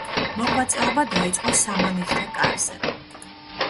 მოღვაწეობა დაიწყო სამანიდთა კარზე.